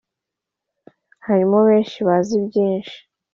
Harimo benshi bazi byinshi